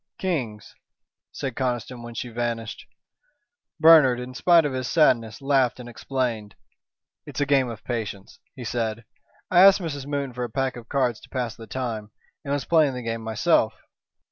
"Kings," said Conniston, when she vanished. Bernard, in spite of his sadness, laughed and explained. "It's a game of patience," he said. "I asked Mrs. Moon for a pack of cards to pass the time, and was playing the game myself.